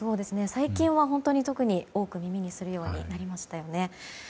最近は特に多く耳にするようになりましたよね。